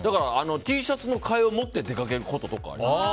Ｔシャツの替えを持って出かけることとかあります。